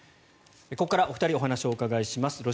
ここから、お二人にお話を伺います。